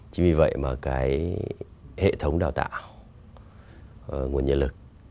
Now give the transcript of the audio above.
chỉ vì vậy mà hệ thống đào tạo nguồn nhân lực